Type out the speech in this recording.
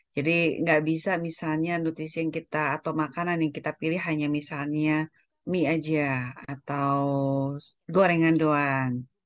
jadi nggak bisa misalnya nutrisi yang kita atau makanan yang kita pilih hanya misalnya mie aja atau gorengan doang